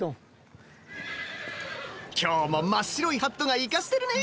今日も真っ白いハットがイカしてるね！